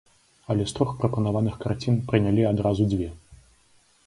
Але з трох прапанаваных карцін прынялі адразу дзве.